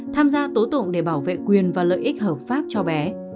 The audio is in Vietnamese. tham gia tố tụng để bảo vệ quyền và lợi ích hợp pháp cho bé